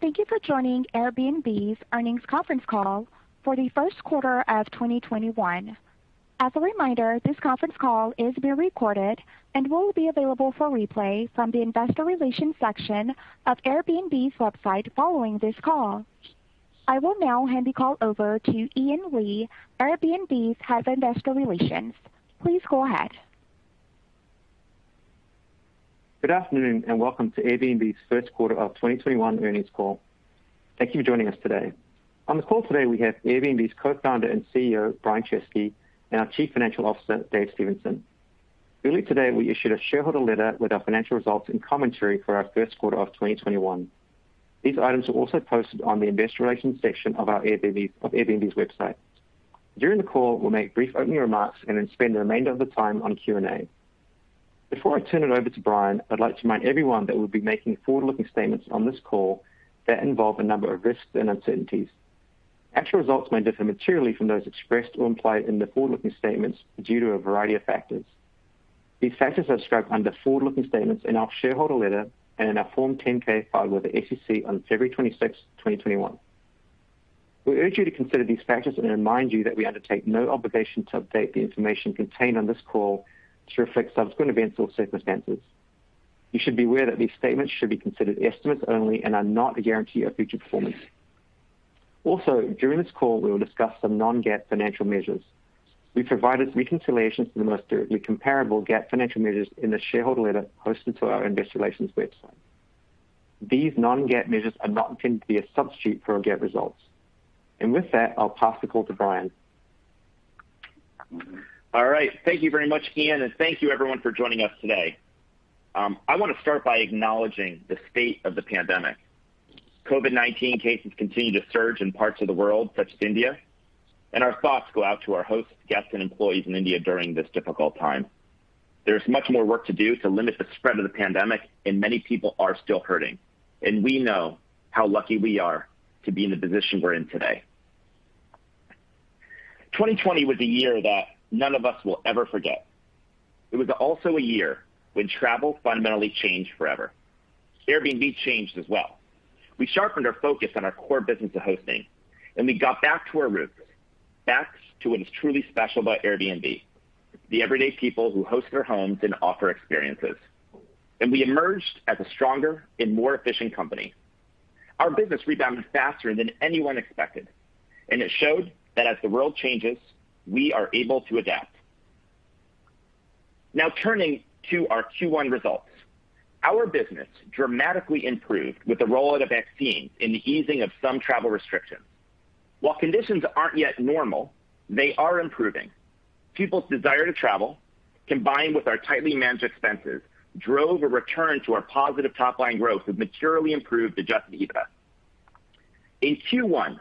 Thank you for joining Airbnb's earnings conference call for the first quarter of 2021. As a reminder, this conference call is being recorded and will be available for replay from the investor relations section of Airbnb's website following this call. I will now hand the call over to Ian Lee, Airbnb's head of investor relations. Please go ahead. Good afternoon, welcome to Airbnb's first quarter of 2021 earnings call. Thank you for joining us today. On the call today, we have Airbnb's Co-founder and Chief Executive Officer, Brian Chesky, and our Chief Financial Officer, Dave Stephenson. Early today, we issued a shareholder letter with our financial results and commentary for our first quarter of 2021. These items are also posted on the investor relations section of Airbnb's website. During the call, we'll make brief opening remarks and then spend the remainder of the time on Q&A. Before I turn it over to Brian, I'd like to remind everyone that we'll be making forward-looking statements on this call that involve a number of risks and uncertainties. Actual results may differ materially from those expressed or implied in the forward-looking statements due to a variety of factors. These factors are described under forward-looking statements in our shareholder letter and in our Form 10-K filed with the SEC on February 26, 2021. We urge you to consider these factors and remind you that we undertake no obligation to update the information contained on this call to reflect subsequent events or circumstances. You should be aware that these statements should be considered estimates only and are not a guarantee of future performance. During this call, we will discuss some non-GAAP financial measures. We've provided reconciliations to the most directly comparable GAAP financial measures in the shareholder letter posted to our investor relations website. These non-GAAP measures are not intended to be a substitute for our GAAP results. With that, I'll pass the call to Brian. All right. Thank you very much, Ian, and thank you everyone for joining us today. I want to start by acknowledging the state of the pandemic. COVID-19 cases continue to surge in parts of the world, such as India, and our thoughts go out to our hosts, guests, and employees in India during this difficult time. There is much more work to do to limit the spread of the pandemic, and many people are still hurting, and we know how lucky we are to be in the position we're in today. 2020 was a year that none of us will ever forget. It was also a year when travel fundamentally changed forever. Airbnb changed as well. We sharpened our focus on our core business of hosting, and we got back to our roots, back to what is truly special about Airbnb, the everyday people who host their homes and offer experiences. We emerged as a stronger and more efficient company. Our business rebounded faster than anyone expected, and it showed that as the world changes, we are able to adapt. Now turning to our Q1 results. Our business dramatically improved with the rollout of vaccines and the easing of some travel restrictions. While conditions aren't yet normal, they are improving. People's desire to travel, combined with our tightly managed expenses, drove a return to our positive top-line growth with materially improved Adjusted EBITDA. In Q1,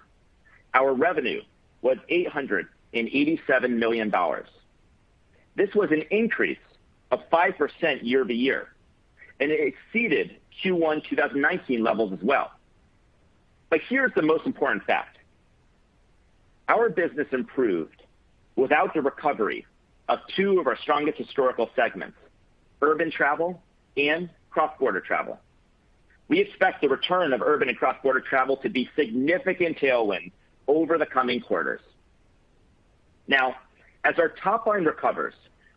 our revenue was $887 million. This was an increase of 5% year-over-year, and it exceeded Q1 2019 levels as well. Here's the most important fact. Our business improved without the recovery of two of our strongest historical segments, urban travel and cross-border travel. We expect the return of urban and cross-border travel to be significant tailwinds over the coming quarters. As our top line recovers,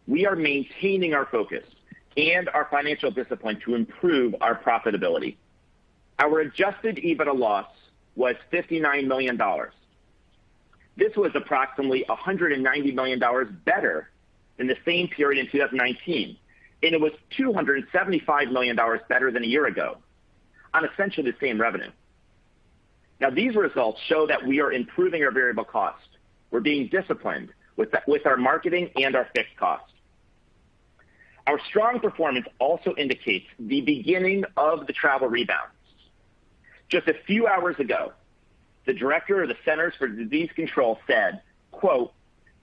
we are maintaining our focus and our financial discipline to improve our profitability. Our Adjusted EBITDA loss was $59 million. This was approximately $190 million better than the same period in 2019, and it was $275 million better than a year ago on essentially the same revenue. These results show that we are improving our variable cost. We're being disciplined with our marketing and our fixed cost. Our strong performance also indicates the beginning of the travel rebound. Just a few hours ago, the director of the Centers for Disease Control said, quote,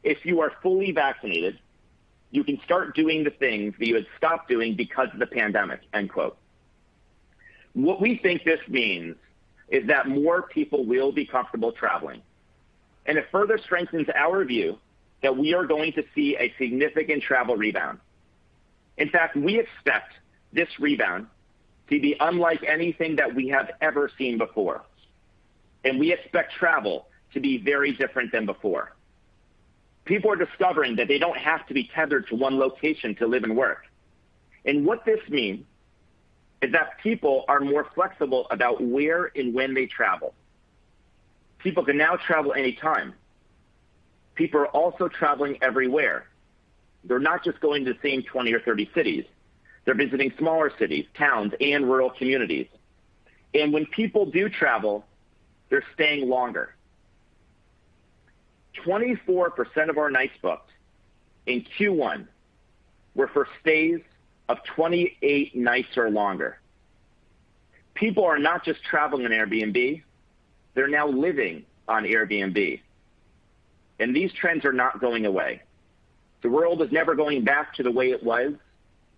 "If you are fully vaccinated, you can start doing the things that you had stopped doing because of the pandemic." End quote. What we think this means is that more people will be comfortable traveling, and it further strengthens our view that we are going to see a significant travel rebound. In fact, we expect this rebound to be unlike anything that we have ever seen before, and we expect travel to be very different than before. People are discovering that they don't have to be tethered to one location to live and work. What this means is that people are more flexible about where and when they travel. People can now travel anytime. People are also traveling everywhere. They're not just going to the same 20 or 30 cities. They're visiting smaller cities, towns, and rural communities. When people do travel, they're staying longer. 24% of our nights booked in Q1 were for stays of 28 nights or longer. People are not just traveling on Airbnb, they're now living on Airbnb. These trends are not going away. The world is never going back to the way it was,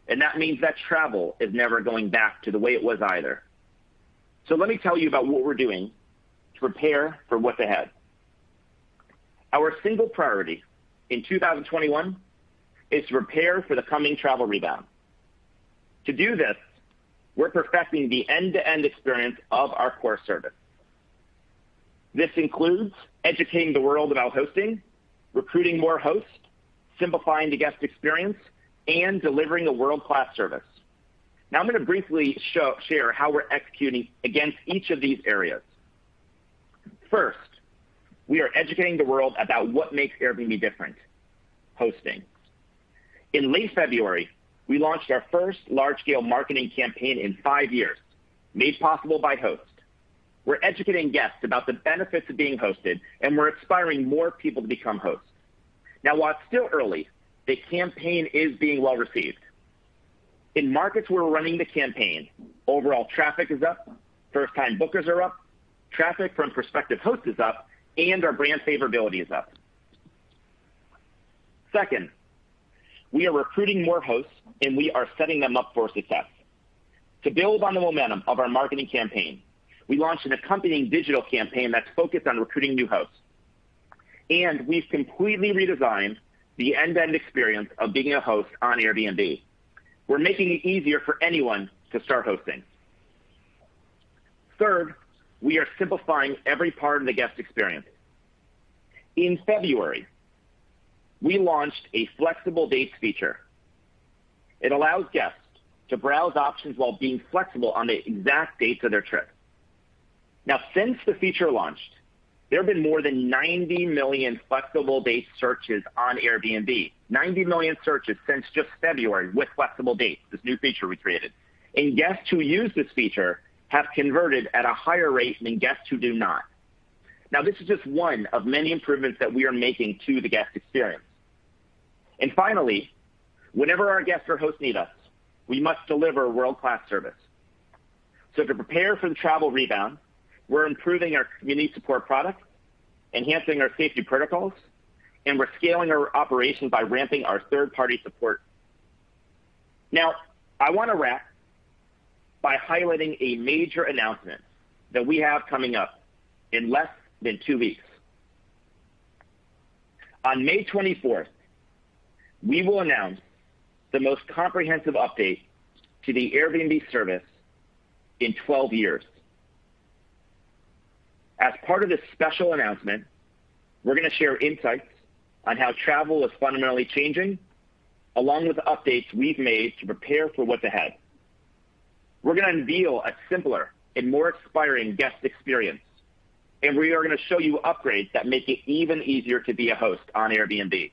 and that means that travel is never going back to the way it was either. Let me tell you about what we're doing to prepare for what's ahead. Our single priority in 2021 is to prepare for the coming travel rebound. To do this, we're perfecting the end-to-end experience of our core service. This includes educating the world about hosting, recruiting more hosts, simplifying the guest experience, and delivering a world-class service. I'm going to briefly share how we're executing against each of these areas. First, we are educating the world about what makes Airbnb different, hosting. In late February, we launched our first large-scale marketing campaign in five years, Made Possible by Hosts. We're educating guests about the benefits of being hosted, and we're inspiring more people to become hosts. While it's still early, the campaign is being well-received. In markets where we're running the campaign, overall traffic is up, first-time bookers are up, traffic from prospective hosts is up, and our brand favorability is up. Second, we are recruiting more hosts, and we are setting them up for success. To build on the momentum of our marketing campaign, we launched an accompanying digital campaign that's focused on recruiting new hosts. We've completely redesigned the end-to-end experience of being a host on Airbnb. We're making it easier for anyone to start hosting. Third, we are simplifying every part of the guest experience. In February, we launched a flexible dates feature. It allows guests to browse options while being flexible on the exact dates of their trip. Since the feature launched, there have been more than 90 million flexible date searches on Airbnb. 90 million searches since just February with flexible dates, this new feature we created. Guests who use this feature have converted at a higher rate than guests who do not. This is just one of many improvements that we are making to the guest experience. Finally, whenever our guests or hosts need us, we must deliver world-class service. To prepare for the travel rebound, we're improving our community support product, enhancing our safety protocols, and we're scaling our operations by ramping our third-party support. I want to wrap by highlighting a major announcement that we have coming up in less than two weeks. On May 24th, we will announce the most comprehensive update to the Airbnb service in 12 years. As part of this special announcement, we're going to share insights on how travel is fundamentally changing, along with updates we've made to prepare for what's ahead. We're going to unveil a simpler and more inspiring guest experience, we are going to show you upgrades that make it even easier to be a host on Airbnb.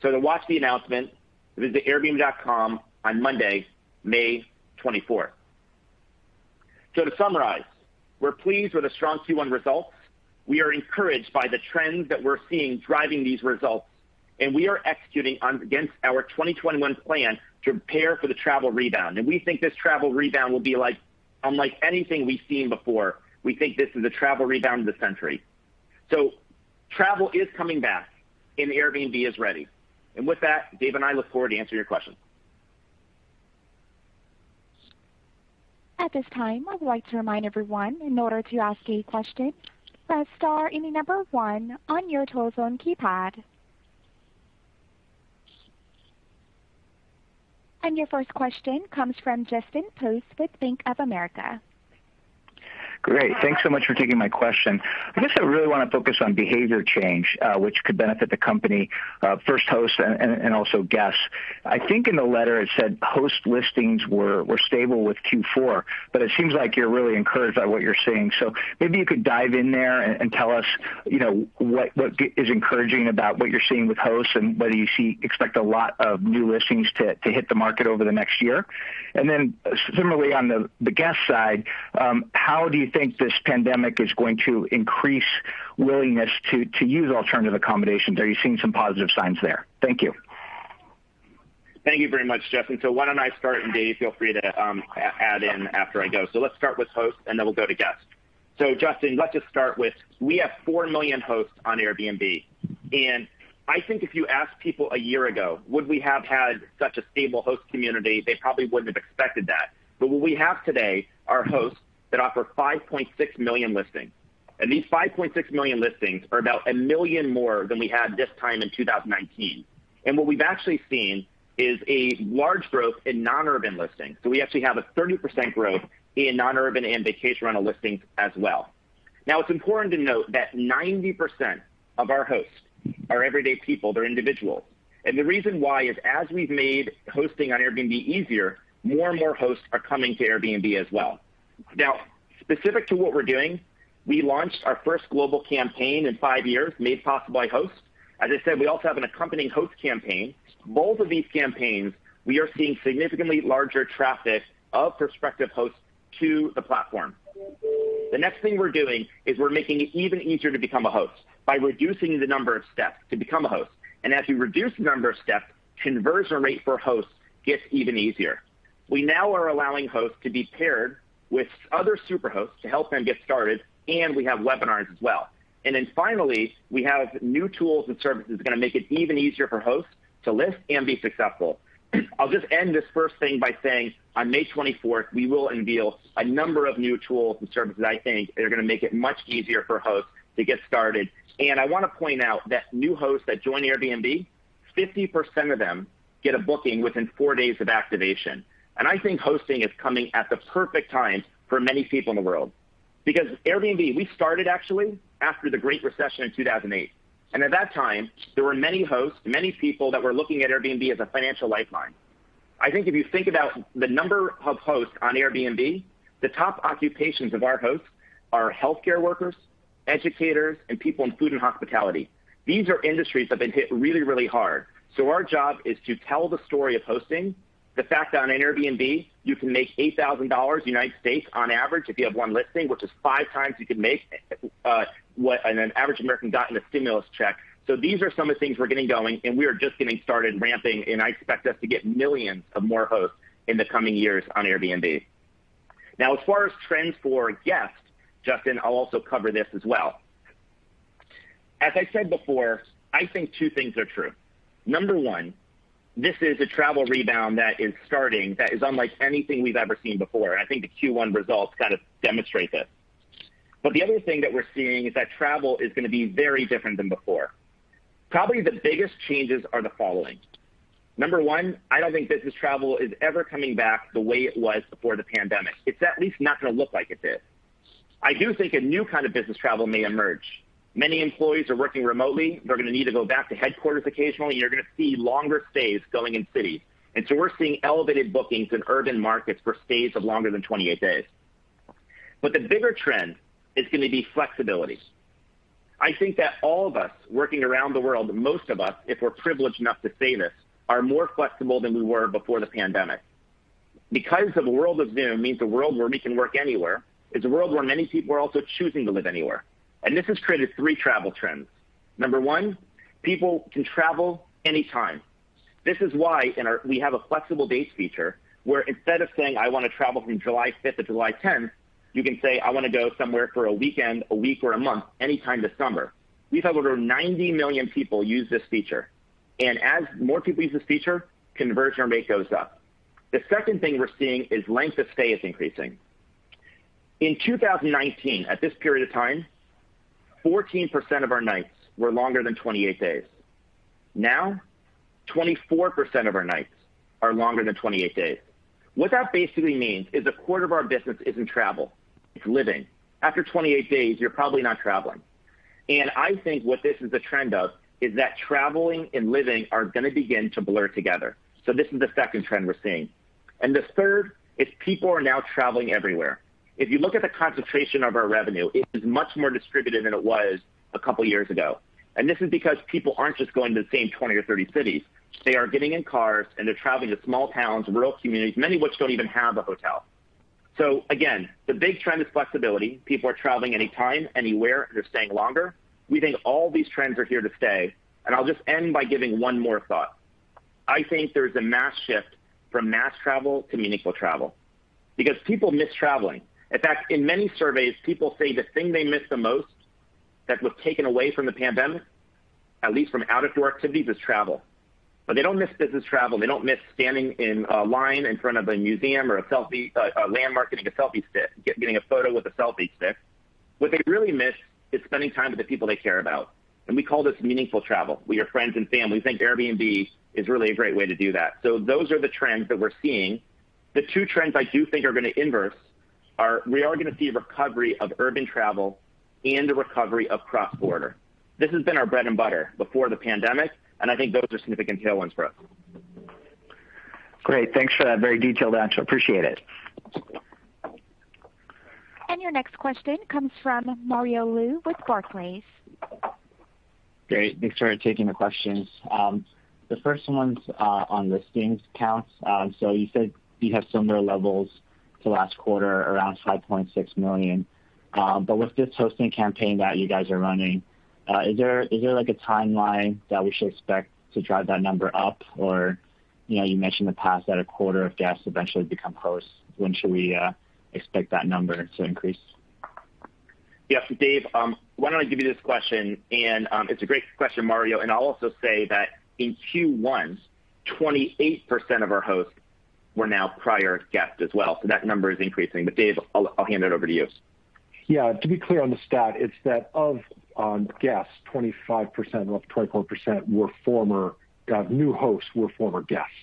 To watch the announcement, visit airbnb.com on Monday, May 24th. To summarize, we're pleased with the strong Q1 results. We are encouraged by the trends that we're seeing driving these results, we are executing against our 2021 plan to prepare for the travel rebound. We think this travel rebound will be unlike anything we've seen before. We think this is a travel rebound of the century. Travel is coming back, and Airbnb is ready. With that, Dave and I look forward to answering your questions. Your first question comes from Justin Post with Bank of America. Great. Thanks so much for taking my question. I guess I really want to focus on behavior change, which could benefit the company, first hosts and also guests. I think in the letter it said host listings were stable with Q4, it seems like you're really encouraged by what you're seeing. Maybe you could dive in there and tell us what is encouraging about what you're seeing with hosts, and whether you expect a lot of new listings to hit the market over the next year. Similarly, on the guest side, how do you think this pandemic is going to increase willingness to use alternative accommodations? Are you seeing some positive signs there? Thank you. Thank you very much, Justin. Why don't I start, and Dave, feel free to add in after I go. Let's start with hosts, and then we'll go to guests. Justin, let's just start with, we have 4 million hosts on Airbnb, and I think if you asked people a year ago, would we have had such a stable host community, they probably wouldn't have expected that. What we have today are hosts that offer 5.6 million listings, and these 5.6 million listings are about 1 million more than we had this time in 2019. What we've actually seen is a large growth in non-urban listings. We actually have a 30% growth in non-urban and vacation rental listings as well. It's important to note that 90% of our hosts are everyday people. They're individuals. The reason why is as we've made hosting on Airbnb easier, more and more hosts are coming to Airbnb as well. Now, specific to what we're doing, we launched our first global campaign in five years, Made Possible by Hosts. As I said, we also have an accompanying host campaign. Both of these campaigns, we are seeing significantly larger traffic of prospective hosts to the platform. The next thing we're doing is we're making it even easier to become a host by reducing the number of steps to become a host. As we reduce the number of steps, conversion rate for hosts gets even easier. We now are allowing hosts to be paired with other Superhosts to help them get started, and we have webinars as well. Finally, we have new tools and services that are going to make it even easier for hosts to list and be successful. I'll just end this first thing by saying, on May 24th, we will unveil a number of new tools and services I think that are going to make it much easier for hosts to get started. I want to point out that new hosts that join Airbnb, 50% of them get a booking within four days of activation. I think hosting is coming at the perfect time for many people in the world. Airbnb, we started, actually, after the Great Recession in 2008. At that time, there were many hosts, many people that were looking at Airbnb as a financial lifeline. I think if you think about the number of hosts on Airbnb, the top occupations of our hosts are healthcare workers, educators, and people in food and hospitality. These are industries that have been hit really, really hard. Our job is to tell the story of hosting, the fact that on Airbnb you can make $8,000 in the U.S. on average if you have one listing, which is five times you could make what an average American got in a stimulus check. These are some of the things we're getting going, and we are just getting started ramping, and I expect us to get millions of more hosts in the coming years on Airbnb. Now, as far as trends for guests, Justin, I'll also cover this as well. As I said before, I think two things are true. Number one, this is a travel rebound that is starting, that is unlike anything we've ever seen before. I think the Q1 results kind of demonstrate this. The other thing that we're seeing is that travel is going to be very different than before. Probably the biggest changes are the following. Number one, I don't think business travel is ever coming back the way it was before the pandemic. It's at least not going to look like it did. I do think a new kind of business travel may emerge. Many employees are working remotely. They're going to need to go back to headquarters occasionally, and you're going to see longer stays going in cities. We're seeing elevated bookings in urban markets for stays of longer than 28 days. The bigger trend is going to be flexibility. I think that all of us working around the world, most of us, if we're privileged enough to say this, are more flexible than we were before the pandemic. Because of a world of Zoom means a world where we can work anywhere. It's a world where many people are also choosing to live anywhere. And this has created three travel trends. Number one, people can travel anytime. This is why we have a flexible dates feature, where instead of saying, "I want to travel from July 5th to July 10th," you can say, "I want to go somewhere for a weekend, a week, or a month, anytime this summer." We've had over 90 million people use this feature. And as more people use this feature, conversion rate goes up. The second thing we're seeing is length of stay is increasing. In 2019, at this period of time, 14% of our nights were longer than 28 days. Now, 24% of our nights are longer than 28 days. What that basically means is a quarter of our business isn't travel, it's living. After 28 days, you're probably not traveling. I think what this is the trend of, is that traveling and living are going to begin to blur together. This is the second trend we're seeing. The third is people are now traveling everywhere. If you look at the concentration of our revenue, it is much more distributed than it was a couple of years ago. This is because people aren't just going to the same 20 or 30 cities. They are getting in cars and they're traveling to small towns, rural communities, many of which don't even have a hotel. Again, the big trend is flexibility. People are traveling anytime, anywhere, and they're staying longer. We think all these trends are here to stay, and I'll just end by giving one more thought. I think there's a mass shift from mass travel to meaningful travel because people miss traveling. In fact, in many surveys, people say the thing they miss the most that was taken away from the pandemic, at least from outdoor activities, is travel. They don't miss business travel. They don't miss standing in a line in front of a museum or a landmark getting a photo with a selfie stick. What they really miss is spending time with the people they care about, and we call this meaningful travel, with your friends and family. We think Airbnb is really a great way to do that. Those are the trends that we're seeing. The two trends I do think are going to inverse are, we are going to see a recovery of urban travel and a recovery of cross-border. This has been our bread and butter before the pandemic, and I think those are significant tailwinds for us. Great. Thanks for that very detailed answer. Appreciate it. Your next question comes from Mario Lu with Barclays. Great. Thanks for taking the questions. The first one's on listings counts. You said you have similar levels to last quarter, around 5.6 million. With this hosting campaign that you guys are running, is there a timeline that we should expect to drive that number up? You mentioned in the past that a quarter of guests eventually become hosts. When should we expect that number to increase? Yeah. Dave, why don't I give you this question, and it's a great question, Mario, and I'll also say that in Q1, 28% of our hosts were now prior guests as well. That number is increasing. Dave, I'll hand it over to you. To be clear on the stat, it is that of guests, 25% or 24% were former-- New hosts were former guests.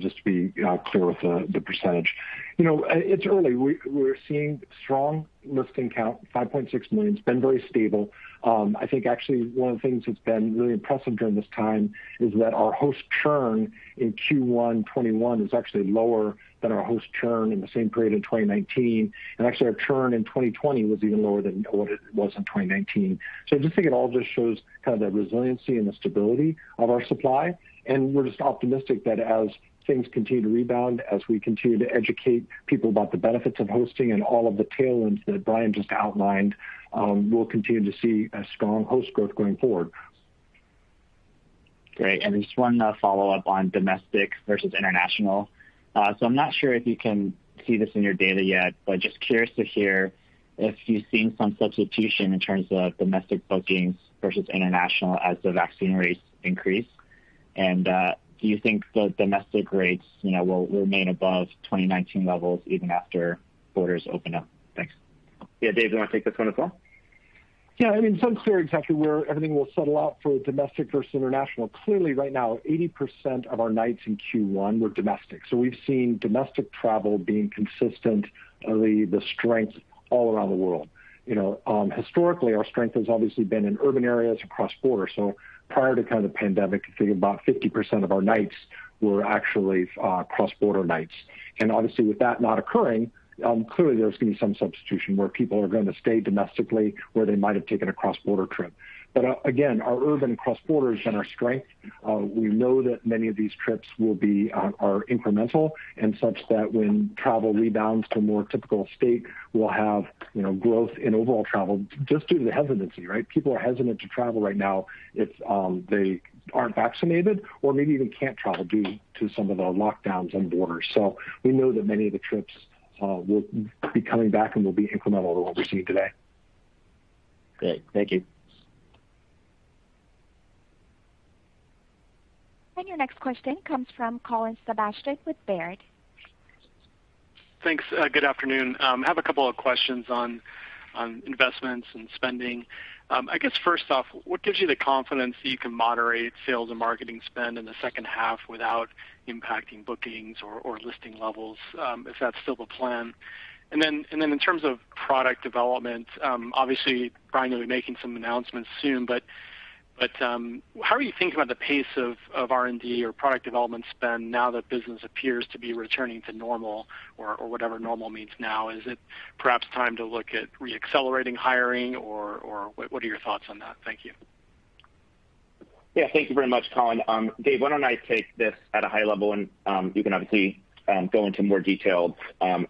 Just to be clear with the percentage. It is early. We are seeing strong listing count, 5.6 million. It has been very stable. I think actually one of the things that has been really impressive during this time is that our host churn in Q1 2021 is actually lower than our host churn in the same period in 2019. Actually, our churn in 2020 was even lower than what it was in 2019. I just think it all just shows kind of the resiliency and the stability of our supply, and we are just optimistic that as things continue to rebound, as we continue to educate people about the benefits of hosting and all of the tailwinds that Brian just outlined, we will continue to see a strong host growth going forward. Great. Just one follow-up on domestic versus international. I'm not sure if you can see this in your data yet, but just curious to hear if you've seen some substitution in terms of domestic bookings versus international as the vaccine rates increase. Do you think the domestic rates will remain above 2019 levels even after borders open up? Thanks. Yeah. Dave, do you want to take this one as well? Yeah. It's unclear exactly where everything will settle out for domestic versus international. Clearly, right now, 80% of our nights in Q1 were domestic. We've seen domestic travel being consistent, really the strength all around the world. Historically, our strength has obviously been in urban areas across borders. Prior to kind of pandemic, I think about 50% of our nights were actually cross-border nights. Obviously, with that not occurring, clearly there's going to be some substitution where people are going to stay domestically, where they might have taken a cross-border trip. Again, our urban cross-border is generally our strength. We know that many of these trips are incremental, and such that when travel rebounds to a more typical state, we'll have growth in overall travel just due to the hesitancy. People are hesitant to travel right now if they aren't vaccinated or maybe even can't travel due to some of the lockdowns on borders. We know that many of the trips will be coming back and will be incremental to what we're seeing today. Great. Thank you. Your next question comes from Colin Sebastian with Baird. Thanks. Good afternoon. I have a couple of questions on investments and spending. I guess first off, what gives you the confidence that you can moderate sales and marketing spend in the second half without impacting bookings or listing levels, if that's still the plan? Then, in terms of product development, obviously Brian, you'll be making some announcements soon, but how are you thinking about the pace of R&D or product development spend now that business appears to be returning to normal or whatever normal means now? Is it perhaps time to look at re-accelerating hiring, or what are your thoughts on that? Thank you. Thank you very much, Colin. Dave, why don't I take this at a high level, and you can obviously go into more detailed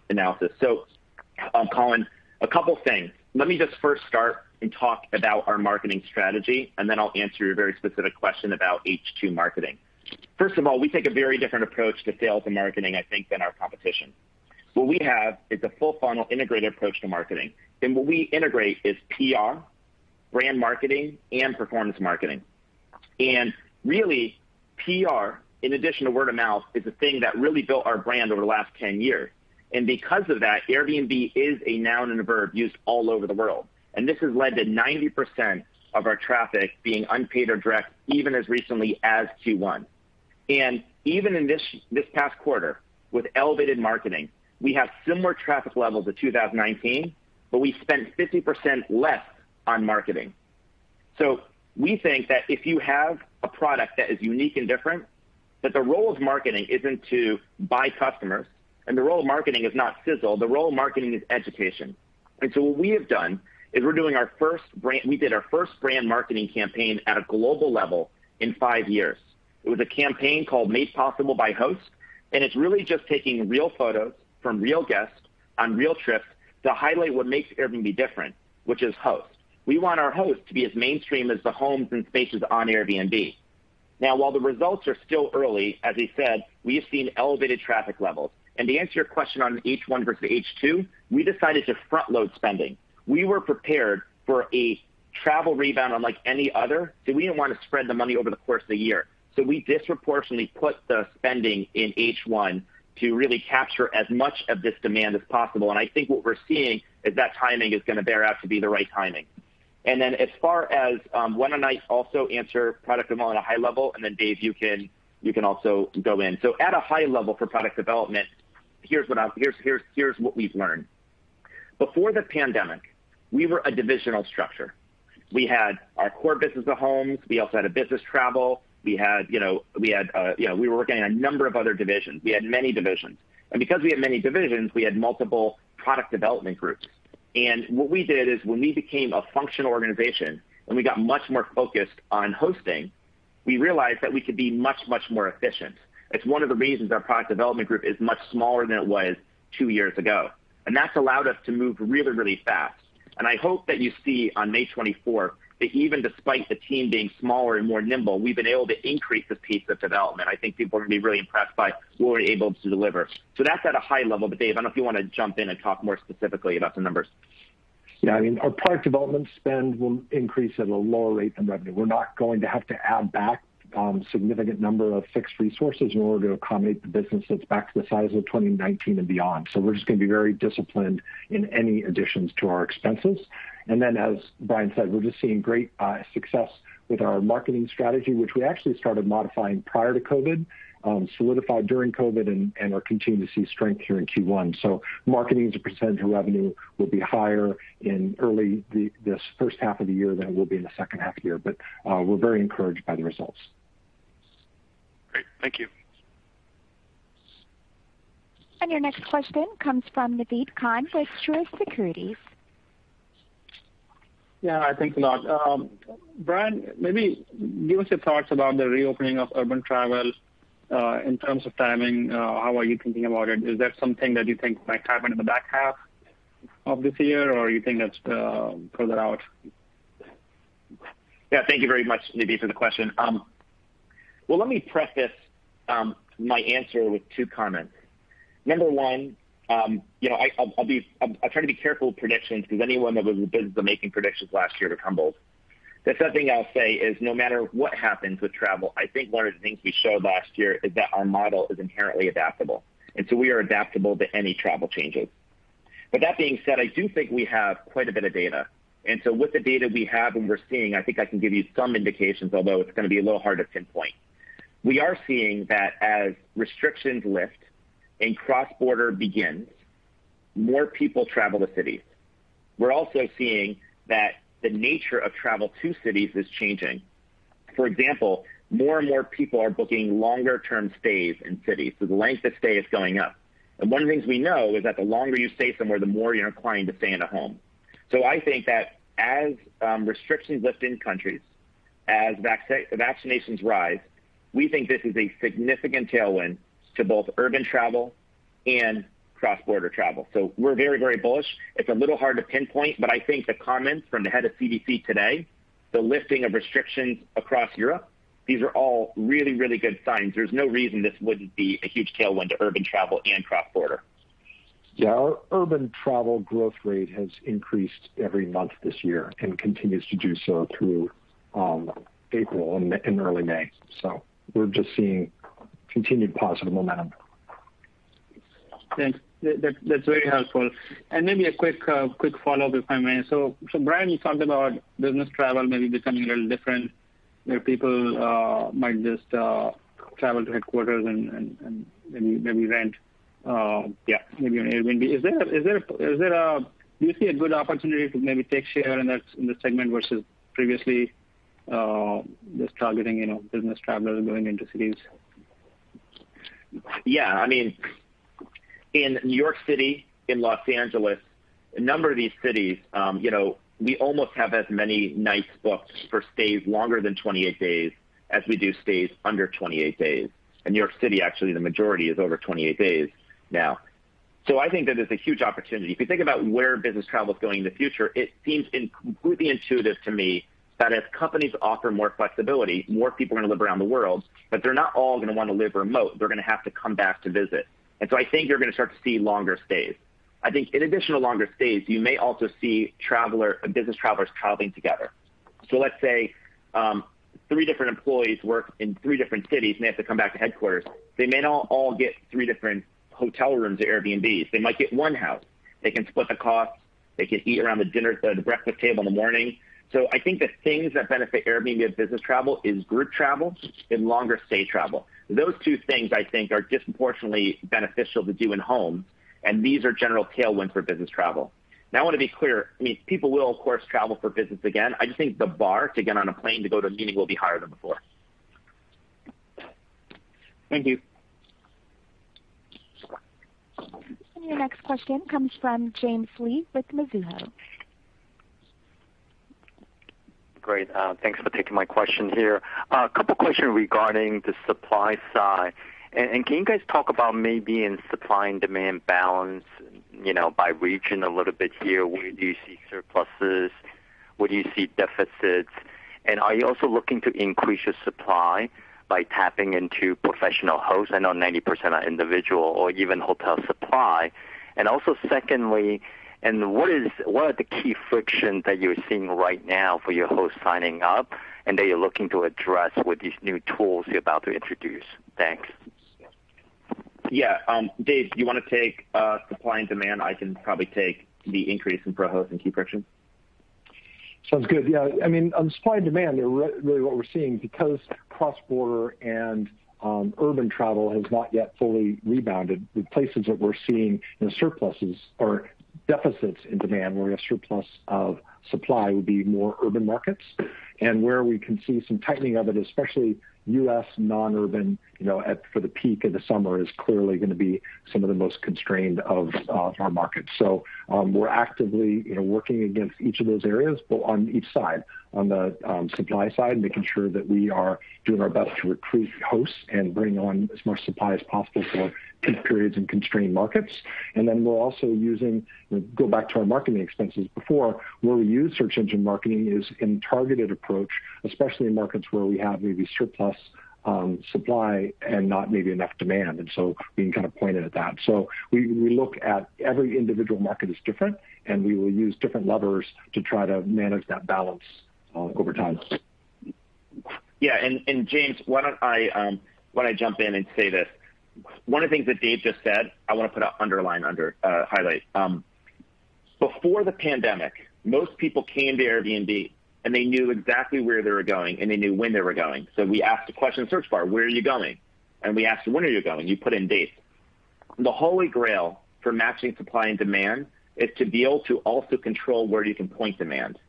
analysis. Colin, a couple things. Let me just first start and talk about our marketing strategy, and then I'll answer your very specific question about H2 marketing. First of all, we take a very different approach to sales and marketing, I think, than our competition. What we have is a full funnel integrated approach to marketing, and what we integrate is PR, brand marketing, and performance marketing. Really, PR, in addition to word of mouth, is the thing that really built our brand over the last 10 years. Because of that, Airbnb is a noun and a verb used all over the world, and this has led to 90% of our traffic being unpaid or direct, even as recently as Q1. Even in this past quarter, with elevated marketing, we have similar traffic levels to 2019, but we spent 50% less on marketing. We think that if you have a product that is unique and different, that the role of marketing isn't to buy customers, and the role of marketing is not sizzle. The role of marketing is education. What we have done is we did our first brand marketing campaign at a global level in five years. It was a campaign called Made Possible by Hosts, and it's really just taking real photos from real guests on real trips to highlight what makes Airbnb different, which is hosts. We want our hosts to be as mainstream as the homes and spaces on Airbnb. Now, while the results are still early, as I said, we have seen elevated traffic levels. To answer your question on H1 versus H2, we decided to front-load spending. We were prepared for a travel rebound unlike any other, so we didn't want to spread the money over the course of the year. We disproportionately put the spending in H1 to really capture as much of this demand as possible, and I think what we're seeing is that timing is going to bear out to be the right timing. Then as far as, why don't I also answer product development at a high level, and then Dave Stephenson, you can also go in. At a high level for product development, here's what we've learned. Before the pandemic, we were a divisional structure. We had our core business of homes. We also had a business travel. We were working on a number of other divisions. We had many divisions. Because we had many divisions, we had multiple product development groups. What we did is when we became a functional organization and we got much more focused on hosting, we realized that we could be much, much more efficient. It's one of the reasons our product development group is much smaller than it was two years ago. That's allowed us to move really, really fast. I hope that you see on May 24th, that even despite the team being smaller and more nimble, we've been able to increase the pace of development. I think people are going to be really impressed by what we're able to deliver. That's at a high level. Dave, I don't know if you want to jump in and talk more specifically about the numbers. Yeah. Our product development spend will increase at a lower rate than revenue. We're not going to have to add back a significant number of fixed resources in order to accommodate the business that's back to the size of 2019 and beyond. We're just going to be very disciplined in any additions to our expenses. Then, as Brian said, we're just seeing great success with our marketing strategy, which we actually started modifying prior to COVID, solidified during COVID, and are continuing to see strength here in Q1. Marketing as a percent of revenue will be higher in early this first half of the year than it will be in the second half of the year. We're very encouraged by the results. Great. Thank you. Your next question comes from Naved Khan with Truist Securities. Yeah. Thanks a lot. Brian, maybe give us your thoughts about the reopening of urban travel, in terms of timing. How are you thinking about it? Is that something that you think might happen in the back half of this year, or you think that's further out? Yeah. Thank you very much, Naved, for the question. Well, let me preface my answer with two comments. Number one, I try to be careful with predictions because anyone that was in business making predictions last year had humbled. The third thing I'll say is no matter what happens with travel, I think one of the things we showed last year is that our model is inherently adaptable, and so we are adaptable to any travel changes. That being said, I do think we have quite a bit of data, and so with the data we have and we're seeing, I think I can give you some indications, although it's going to be a little hard to pinpoint. We are seeing that as restrictions lift and cross-border begins, more people travel to cities. We're also seeing that the nature of travel to cities is changing. For example, more and more people are booking longer-term stays in cities, so the length of stay is going up. One of the things we know is that the longer you stay somewhere, the more you're inclined to stay in a home. I think that as restrictions lift in countries, as vaccinations rise, we think this is a significant tailwind to both urban travel and cross-border travel. We're very bullish. It's a little hard to pinpoint, but I think the comments from the head of CDC today, the lifting of restrictions across Europe, these are all really good signs. There's no reason this wouldn't be a huge tailwind to urban travel and cross-border. Yeah. Our urban travel growth rate has increased every month this year and continues to do so through April and early May. We're just seeing continued positive momentum. Thanks. That's very helpful. Maybe a quick follow-up if I may. Brian, you talked about business travel maybe becoming a little different, where people might just travel to headquarters and maybe rent, maybe an Airbnb. Do you see a good opportunity to maybe take share in the segment versus previously, just targeting business travelers going into cities? Yeah. In New York City, in Los Angeles, a number of these cities, we almost have as many nights booked for stays longer than 28 days as we do stays under 28 days. In New York City, actually, the majority is over 28 days now. I think that is a huge opportunity. If you think about where business travel is going in the future, it seems completely intuitive to me that as companies offer more flexibility, more people are going to live around the world, but they're not all going to want to live remote. They're going to have to come back to visit. I think you're going to start to see longer stays. I think in addition to longer stays, you may also see business travelers traveling together. Let's say, three different employees work in three different cities, and they have to come back to headquarters. They may not all get three different hotel rooms or Airbnbs. They might get one house. They can split the cost. They can eat around the breakfast table in the morning. I think the things that benefit Airbnb as business travel is group travel and longer stay travel. Those two things, I think, are disproportionately beneficial to do in homes, and these are general tailwinds for business travel. I want to be clear. People will, of course, travel for business again. I just think the bar to get on a plane to go to a meeting will be higher than before. Thank you. Your next question comes from James Lee with Mizuho. Great. Thanks for taking my question here. A couple questions regarding the supply side. Can you guys talk about maybe in supply and demand balance, by region a little bit here. Where do you see surpluses? Where do you see deficits? Are you also looking to increase your supply by tapping into professional hosts? I know 90% are individual or even hotel supply. Also secondly, what are the key friction that you're seeing right now for your hosts signing up, and that you're looking to address with these new tools you're about to introduce? Thanks. Yeah. Dave, do you want to take supply and demand? I can probably take the increase in Pro host and key friction. Sounds good. Yeah. On supply and demand, really what we're seeing, because cross-border and urban travel has not yet fully rebounded, the places that we're seeing deficits in demand, where a surplus of supply would be more urban markets. Where we can see some tightening of it, especially U.S. non-urban, for the peak of the summer, is clearly going to be some of the most constrained of our markets. We're actively working against each of those areas, both on each side. On the supply side, making sure that we are doing our best to recruit Hosts and bring on as much supply as possible for peak periods and constrained markets. We're also using, go back to our marketing expenses before, where we use search engine marketing is in targeted approach, especially in markets where we have maybe surplus supply and not maybe enough demand. Being kind of pointed at that. We look at every individual market is different, and we will use different levers to try to manage that balance over time. Yeah. James, why don't I jump in and say this. One of the things that Dave just said, I want to put a underline under, highlight. Before the pandemic, most people came to Airbnb, and they knew exactly where they were going, and they knew when they were going. We asked a question in the search bar, "Where are you going?" We asked them, "When are you going?" You put in dates. The holy grail for matching supply and demand is to be able to also control where you can point demand.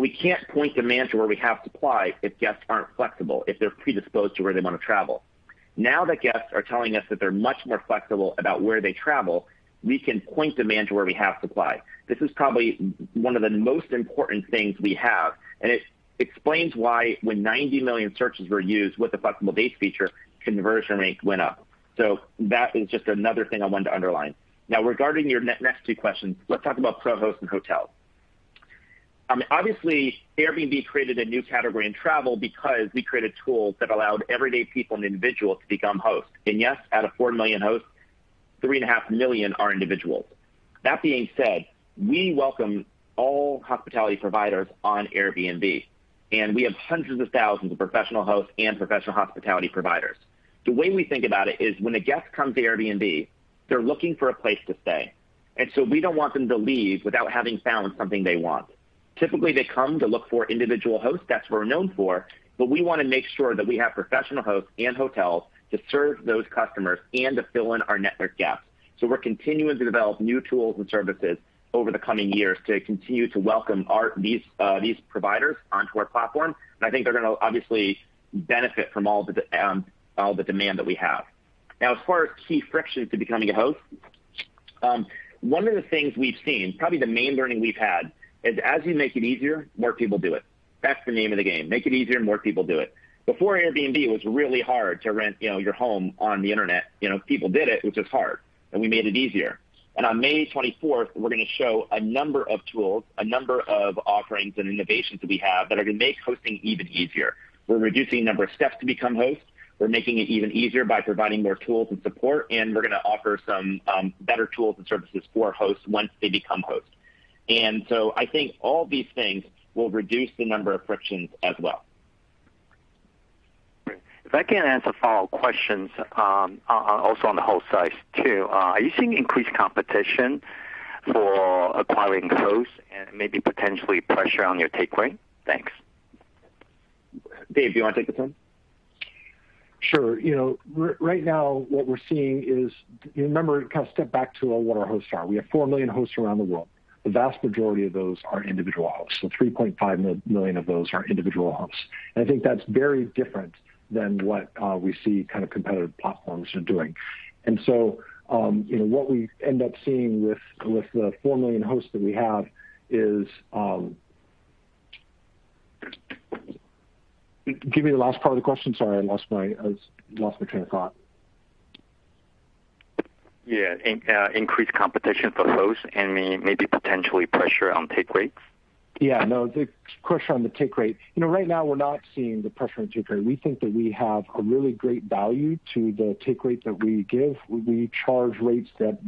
We can't point demand to where we have supply if guests aren't flexible, if they're predisposed to where they want to travel. Now that guests are telling us that they're much more flexible about where they travel, we can point demand to where we have supply. This is probably one of the most important things we have. It explains why when 90 million searches were used with the flexible dates feature, conversion rates went up. That is just another thing I wanted to underline. Regarding your next two questions, let's talk about Pro host and hotels. Obviously, Airbnb created a new category in travel because we created tools that allowed everyday people and individuals to become hosts. Yes, out of 4 million hosts, 3.5 million are individuals. That being said, we welcome all hospitality providers on Airbnb. We have hundreds of thousands of professional hosts and professional hospitality providers. The way we think about it is when a guest comes to Airbnb, they're looking for a place to stay. We don't want them to leave without having found something they want. Typically, they come to look for individual hosts. That's what we're known for, but we want to make sure that we have professional hosts and hotels to serve those customers and to fill in our network gaps. We're continuing to develop new tools and services over the coming years to continue to welcome these providers onto our platform. I think they're going to obviously benefit from all the demand that we have. Now, as far as key frictions to becoming a host, one of the things we've seen, probably the main learning we've had, is as you make it easier, more people do it. That's the name of the game. Make it easier, more people do it. Before Airbnb, it was really hard to rent your home on the internet. People did it's just hard, and we made it easier. On May 24th, we're going to show a number of tools, a number of offerings and innovations that we have that are going to make hosting even easier. We're reducing the number of steps to become hosts. We're making it even easier by providing more tools and support, and we're going to offer some better tools and services for hosts once they become hosts. I think all these things will reduce the number of frictions as well. Great. If I can ask a follow-up question, also on the host side too. Are you seeing increased competition for acquiring hosts and maybe potentially pressure on your take rate? Thanks. Dave, do you want to take this one? Sure. Right now, what we're seeing is, remember, step back to what our hosts are. We have four million hosts around the world. The vast majority of those are individual hosts. 3.5 million of those are individual hosts. I think that's very different than what we see competitive platforms are doing. What we end up seeing with the four million hosts that we have. Give me the last part of the question. Sorry, I lost my train of thought. Yeah. Increased competition for hosts and maybe potentially pressure on take rates? Yeah, no. The pressure on the take rate. Right now, we're not seeing the pressure on take rate. We think that we have a really great value to the take rate that we give. We charge rates that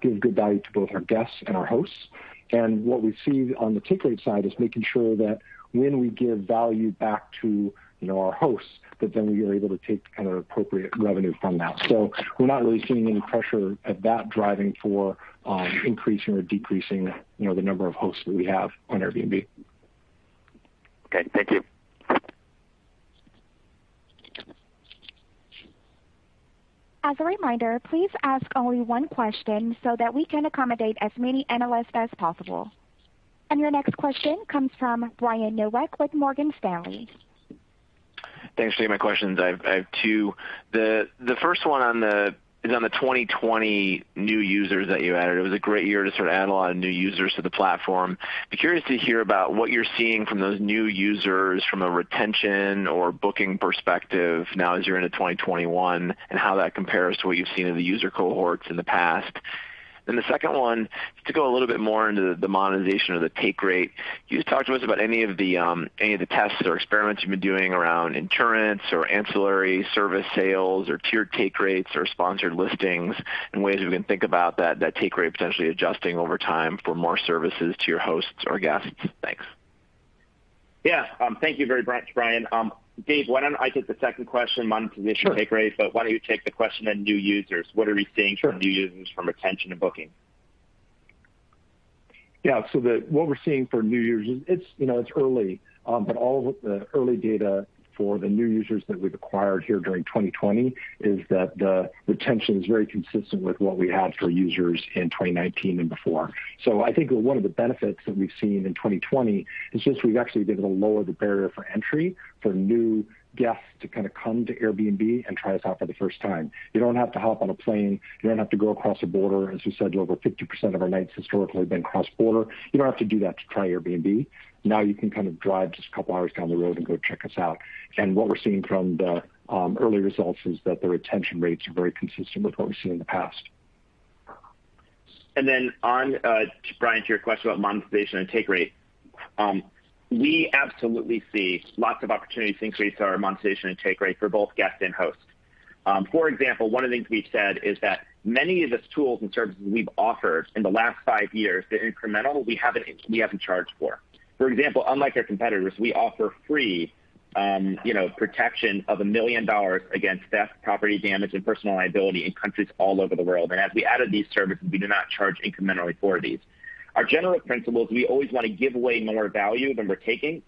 give good value to both our guests and our hosts. What we see on the take rate side is making sure that when we give value back to our hosts, that then we are able to take appropriate revenue from that. We're not really seeing any pressure of that driving for increasing or decreasing the number of hosts that we have on Airbnb. Okay. Thank you. As a reminder, please ask only one question so that we can accommodate as many analysts as possible. Your next question comes from Brian Nowak with Morgan Stanley. Thanks. Two of my questions. I have two. The first one is on the 2020 new users that you added. It was a great year to add a lot of new users to the platform. Be curious to hear about what you're seeing from those new users from a retention or booking perspective now as you're into 2021, and how that compares to what you've seen in the user cohorts in the past. The second one, to go a little bit more into the monetization of the take rate. Can you just talk to us about any of the tests or experiments you've been doing around insurance or ancillary service sales or tiered take rates or sponsored listings and ways we can think about that take rate potentially adjusting over time for more services to your hosts or guests? Thanks. Yeah. Thank you very much, Brian. Dave, why don't I take the second question, monetization take rate. Sure. Why don't you take the question on new users. What are we seeing- Sure from new users from retention to booking? Yeah. What we're seeing for new users, it's early. All of the early data for the new users that we've acquired here during 2020 is that the retention is very consistent with what we had for users in 2019 and before. I think one of the benefits that we've seen in 2020 is since we've actually been able to lower the barrier for entry for new guests to come to Airbnb and try us out for the first time. You don't have to hop on a plane. You don't have to go across a border. As we said, over 50% of our nights historically have been cross-border. You don't have to do that to try Airbnb. Now you can drive just a couple of hours down the road and go check us out. What we're seeing from the early results is that the retention rates are very consistent with what we've seen in the past. Then, Brian, to your question about monetization and take rate. We absolutely see lots of opportunities to increase our monetization and take rate for both guests and hosts. For example, one of the things we've said is that many of the tools and services we've offered in the last five years, they're incremental. We haven't charged for. For example, unlike our competitors, we offer free protection of $1 million against theft, property damage, and personal liability in countries all over the world. As we added these services, we do not charge incrementally for these. Our general principle is we always want to give away more value than we're taking,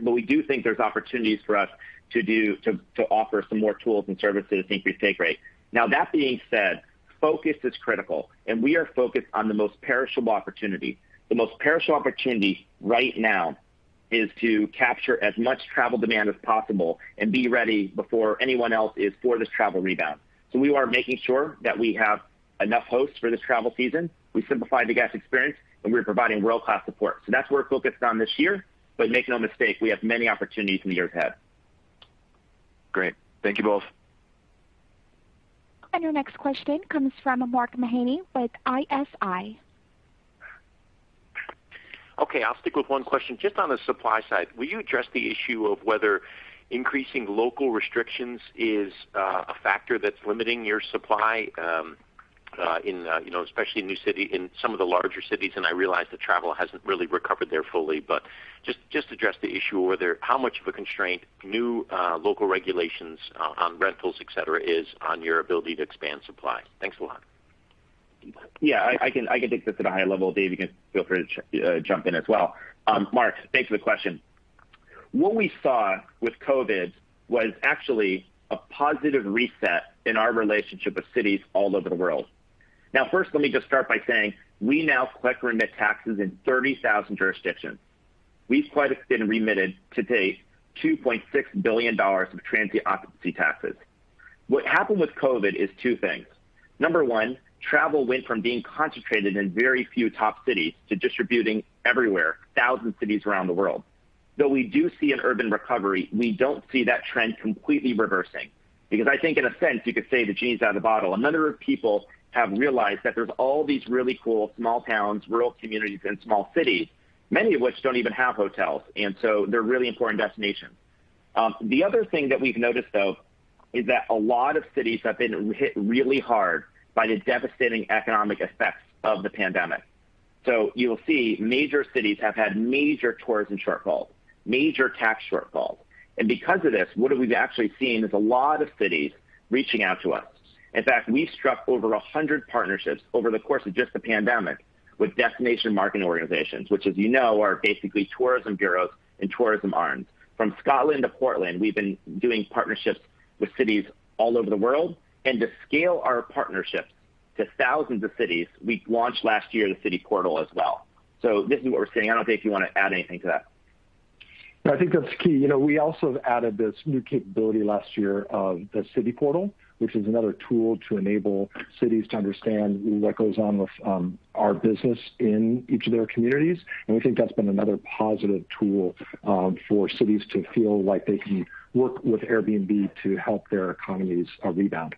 but we do think there's opportunities for us to offer some more tools and services to increase take rate. That being said, focus is critical, and we are focused on the most perishable opportunity. The most perishable opportunity right now is to capture as much travel demand as possible and be ready before anyone else is for this travel rebound. We are making sure that we have enough hosts for this travel season. We simplified the guest experience, and we're providing world-class support. That's where focus is on this year, but make no mistake, we have many opportunities in the years ahead. Great. Thank you both. Your next question comes from Mark Mahaney with ISI. Okay. I'll stick with one question just on the supply side. Will you address the issue of whether increasing local restrictions is a factor that's limiting your supply, especially in some of the larger cities? I realize the travel hasn't really recovered there fully, but just address the issue whether how much of a constraint new local regulations on rentals, et cetera, is on your ability to expand supply. Thanks a lot. Yeah. I can take this at a high level. Dave, you can feel free to jump in as well. Mark, thanks for the question. What we saw with COVID was actually a positive reset in our relationship with cities all over the world. First, let me just start by saying we now collect and remit taxes in 30,000 jurisdictions. We've quite a bit remitted to date $2.6 billion of transient occupancy taxes. What happened with COVID is two things. Number one, travel went from being concentrated in very few top cities to distributing everywhere, thousand cities around the world. We do see an urban recovery, we don't see that trend completely reversing, because I think in a sense, you could say the genie's out of the bottle. A number of people have realized that there's all these really cool small towns, rural communities, and small cities, many of which don't even have hotels, and so they're really important destinations. The other thing that we've noticed, though, is that a lot of cities have been hit really hard by the devastating economic effects of the pandemic. You'll see major cities have had major tourism shortfalls, major tax shortfalls. Because of this, what we've actually seen is a lot of cities reaching out to us. In fact, we've struck over 100 partnerships over the course of just the pandemic with destination marketing organizations, which, as you know, are basically tourism bureaus and tourism arms. From Scotland to Portland, we've been doing partnerships with cities all over the world. To scale our partnerships to thousands of cities, we launched last year the City Portal as well. This is what we're seeing. I don't know if you want to add anything to that. No, I think that's key. We also have added this new capability last year of the City Portal, which is another tool to enable cities to understand what goes on with our business in each of their communities. We think that's been another positive tool for cities to feel like they can work with Airbnb to help their economies rebound.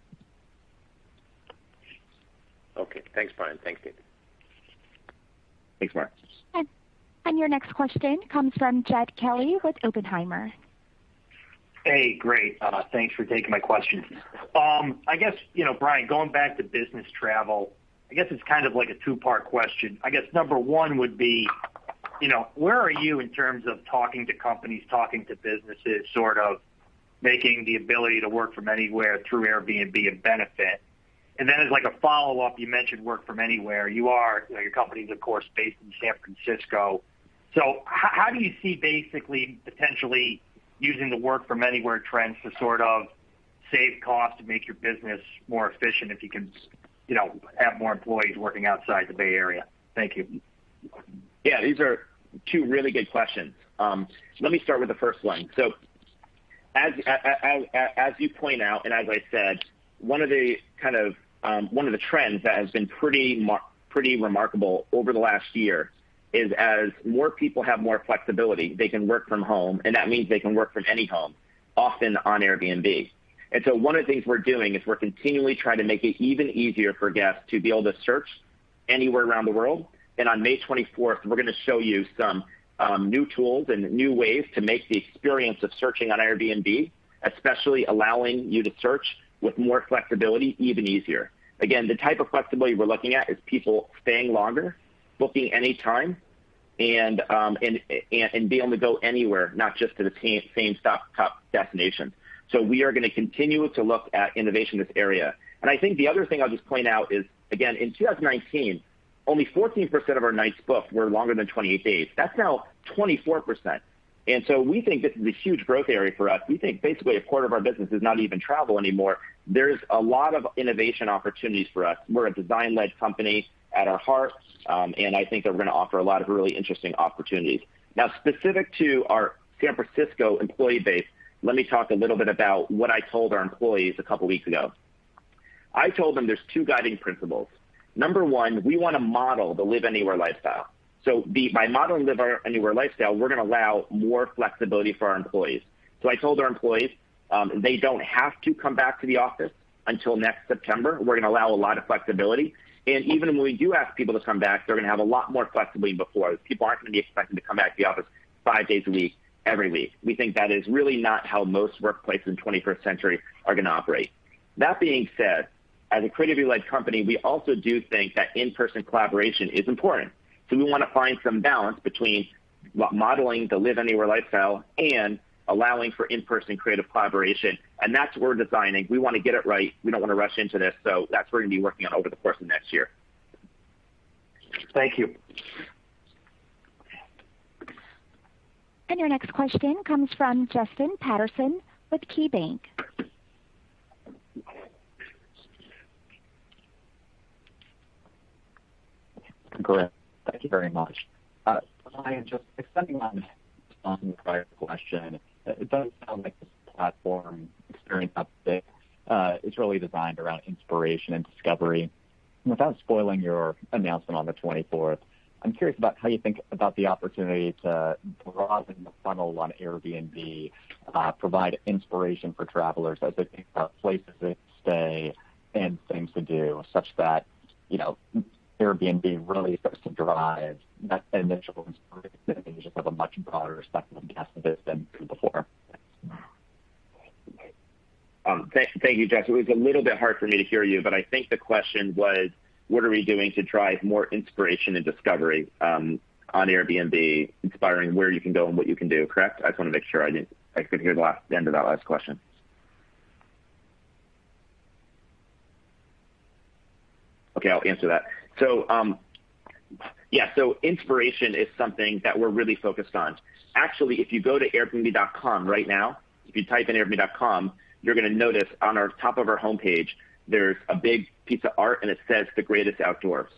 Okay. Thanks, Brian. Thanks, Dave. Thanks, Mark. Your next question comes from Jed Kelly with Oppenheimer. Hey, great. Thanks for taking my question. I guess, Brian, going back to business travel, I guess it's a two-part question. I guess number one would be, where are you in terms of talking to companies, talking to businesses, sort of making the ability to work from anywhere through Airbnb a benefit? As a follow-up, you mentioned work from anywhere. Your company is, of course, based in San Francisco. How do you see basically potentially using the work from anywhere trends to sort of save cost and make your business more efficient if you can have more employees working outside the Bay Area? Thank you. Yeah, these are two really good questions. Let me start with the first one. As you point out, and as I said, one of the trends that has been pretty remarkable over the last year is as more people have more flexibility, they can work from home, and that means they can work from any home, often on Airbnb. One of the things we're doing is we're continually trying to make it even easier for guests to be able to search anywhere around the world. On May 24th, we're going to show you some new tools and new ways to make the experience of searching on Airbnb, especially allowing you to search with more flexibility even easier. Again, the type of flexibility we're looking at is people staying longer, booking any time, and being able to go anywhere, not just to the same top destinations. We are going to continue to look at innovation in this area. I think the other thing I'll just point out is, again, in 2019, only 14% of our nights booked were longer than 28 days. That's now 24%. We think this is a huge growth area for us. We think basically a quarter of our business is not even travel anymore. There's a lot of innovation opportunities for us. We're a design-led company at our heart, and I think that we're going to offer a lot of really interesting opportunities. Now, specific to our San Francisco employee base, let me talk a little bit about what I told our employees a couple weeks ago. I told them there's two guiding principles. Number one, we want to model the live anywhere lifestyle. By modeling the live anywhere lifestyle, we're going to allow more flexibility for our employees. I told our employees they don't have to come back to the office until next September. We're going to allow a lot of flexibility. Even when we do ask people to come back, they're going to have a lot more flexibility than before. People aren't going to be expected to come back to the office five days a week every week. We think that is really not how most workplaces in the 21st century are going to operate. That being said, as a creative-led company, we also do think that in-person collaboration is important. We want to find some balance between modeling the live anywhere lifestyle and allowing for in-person creative collaboration, and that's what we're designing. We want to get it right. We don't want to rush into this, so that's what we're going to be working on over the course of next year. Thank you. Your next question comes from Justin Patterson with KeyBanc. Great. Thank you very much. Brian, just extending on the prior question, it does sound like this platform experience update is really designed around inspiration and discovery. Without spoiling your announcement on the 24th, I'm curious about how you think about the opportunity to broaden the funnel on Airbnb, provide inspiration for travelers as they think about places they could stay and things to do, such that Airbnb really starts to drive that initial inspiration because you just have a much broader set of guests than before. Thank you, Justin. It was a little bit hard for me to hear you, but I think the question was, what are we doing to drive more inspiration and discovery on Airbnb, inspiring where you can go and what you can do. Correct? I just want to make sure. I didn't hear the end of that last question. Okay, I'll answer that. Inspiration is something that we're really focused on. Actually, if you go to airbnb.com right now, if you type in airbnb.com, you're going to notice on our top of our homepage, there's a big piece of art, and it says, "The greatest outdoors."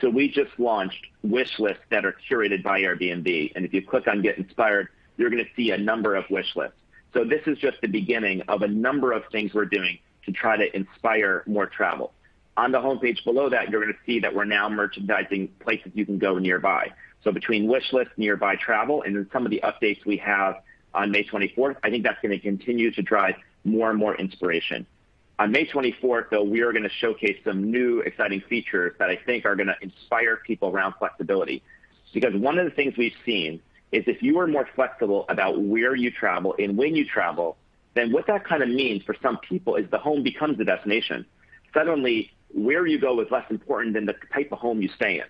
We just launched wish lists that are curated by Airbnb, and if you click on Get Inspired, you're going to see a number of wish lists. This is just the beginning of a number of things we're doing to try to inspire more travel. On the homepage below that, you're going to see that we're now merchandising places you can go nearby. Between wish lists, nearby travel, and then some of the updates we have on May 24th, I think that's going to continue to drive more and more inspiration. On May 24th, though, we are going to showcase some new, exciting features that I think are going to inspire people around flexibility. One of the things we've seen is if you are more flexible about where you travel and when you travel, then what that means for some people is the home becomes the destination. Suddenly, where you go is less important than the type of home you stay in.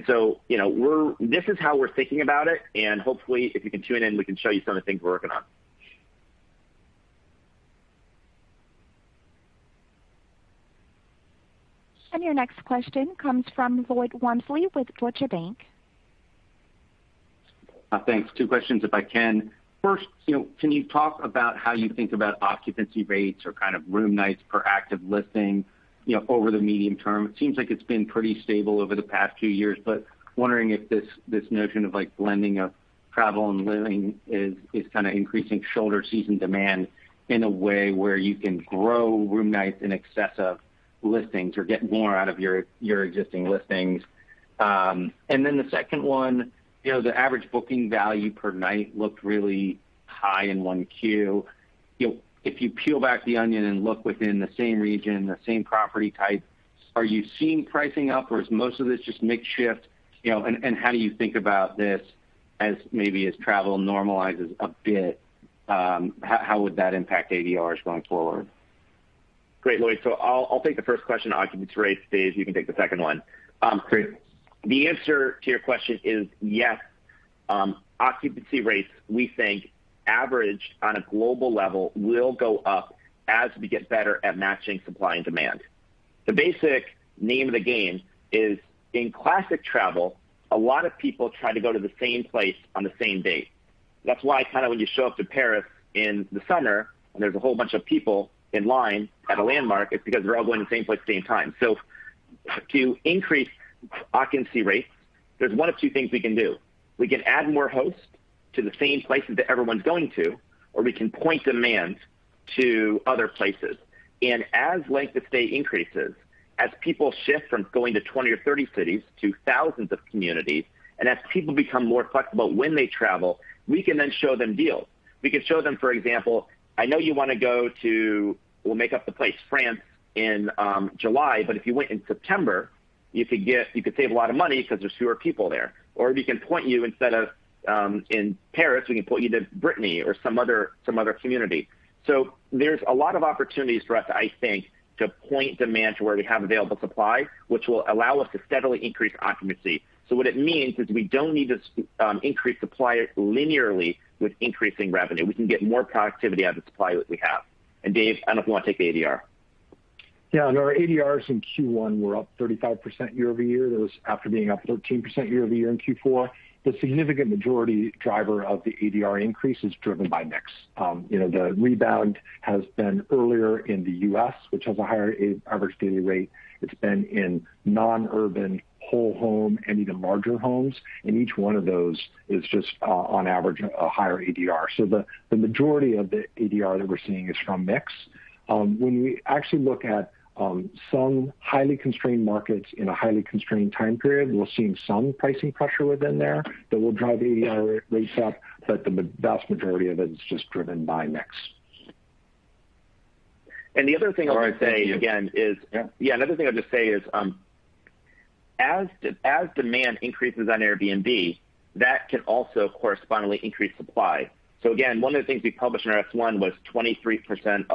This is how we're thinking about it, and hopefully, if you can tune in, we can show you some of the things we're working on. Your next question comes from Lloyd Walmsley with Deutsche Bank. Thanks. Two questions if I can. First, can you talk about how you think about occupancy rates or room nights per active listing over the medium term? It seems like it's been pretty stable over the past two years, but wondering if this notion of blending of travel and living is increasing shoulder season demand in a way where you can grow room nights in excess of listings or get more out of your existing listings. The second one, the average booking value per night looked really high in 1Q. If you peel back the onion and look within the same region, the same property type, are you seeing pricing up, or is most of this just mix shift? How do you think about this as maybe as travel normalizes a bit? How would that impact ADRs going forward? Great, Lloyd. I'll take the first question, occupancy rates. Dave, you can take the second one. Great. The answer to your question is yes. Occupancy rates, we think, averaged on a global level will go up as we get better at matching supply and demand. The basic name of the game is in classic travel, a lot of people try to go to the same place on the same date. That's why when you show up to Paris in the summer, and there's a whole bunch of people in line at a landmark, it's because we're all going to the same place at the same time. To increase occupancy rates, there's one of two things we can do. We can add more hosts to the same places that everyone's going to, or we can point demand to other places. As length of stay increases, as people shift from going to 20 or 30 cities to thousands of communities, and as people become more flexible when they travel, we can then show them deals. We could show them, for example, I know you want to go to, we'll make up the place, France in July, but if you went in September, you could save a lot of money because there's fewer people there. We can point you instead of in Paris, we can point you to Brittany or some other community. There's a lot of opportunities for us, I think, to point demand to where we have available supply, which will allow us to steadily increase occupancy. What it means is we don't need to increase supply linearly with increasing revenue. We can get more productivity out of the supply that we have. Dave, I don't know if you want to take the ADR. Our ADRs in Q1 were up 35% year-over-year. That was after being up 13% year-over-year in Q4. The significant majority driver of the ADR increase is driven by mix. The rebound has been earlier in the U.S., which has a higher average daily rate. It's been in non-urban whole home and even larger homes, and each one of those is just, on average, a higher ADR. The majority of the ADR that we're seeing is from mix. When we actually look at some highly constrained markets in a highly constrained time period, we're seeing some pricing pressure within there that will drive ADR rates up, but the vast majority of it is just driven by mix. The other thing I'll just say again. All right. Thank you. Yeah, another thing I'll just say is, as demand increases on Airbnb, that can also correspondingly increase supply. Again, one of the things we published in our S-1 was 23%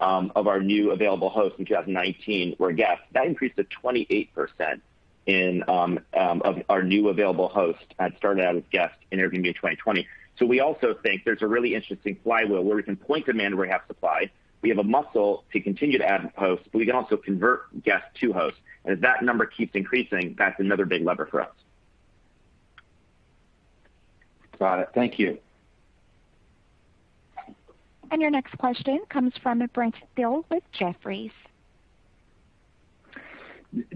of our new available hosts in 2019 were guests. That increased to 28% of our new available hosts that started out as guests in Airbnb in 2020. We also think there's a really interesting flywheel where we can point demand where we have supply. We have a muscle to continue to add hosts, but we can also convert guests to hosts. If that number keeps increasing, that's another big lever for us. Got it. Thank you. Your next question comes from Brent Thill with Jefferies.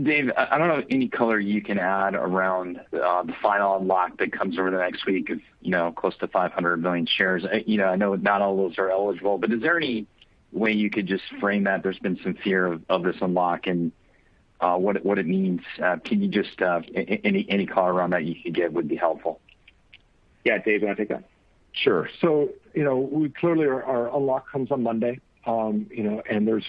Dave, I don't know if any color you can add around the final unlock that comes over the next week of close to 500 million shares. I know not all of those are eligible, is there any way you could just frame that there's been some fear of this unlock and what it means? Any color around that you could give would be helpful. Yeah, Dave, you want to take that? Sure. Clearly, our unlock comes on Monday. The